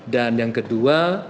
dan yang kedua